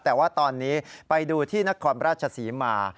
แต่ว่าตอนนี้ไปดูที่นครราชศรีมา